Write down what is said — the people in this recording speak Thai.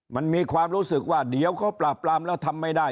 มันมีความรู้สึกว่าเดี๋ยวเขาปราบปรามแล้วทำไม่ได้